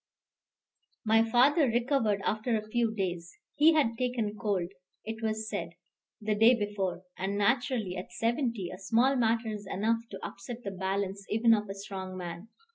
My father recovered after a few days: he had taken cold, it was said, the day before; and naturally, at seventy, a small matter is enough to upset the balance even of a strong man.